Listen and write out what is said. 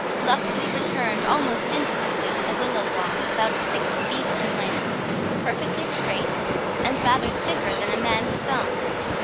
Locksley returned almost instantly with a willow wand about six feet in length, perfectly straight, and rather thicker than a man's thumb.